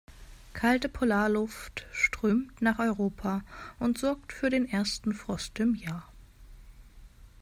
Kalte Polarluft strömt nach Europa und sorgt für den ersten Frost im Jahr.